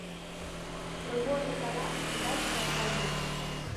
Прыгожы палац відаць быў здалёк.